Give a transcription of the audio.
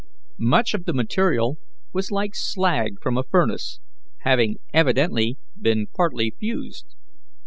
Much of the material was like slag from a furnace, having evidently been partly fused.